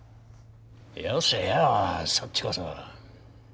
よせよそっちこそ。